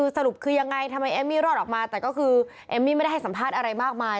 สรุปคือยังไงทำไมเอมมี่รอดออกมาแต่ก็คือเอมมี่ไม่ได้ให้สัมภาษณ์อะไรมากมาย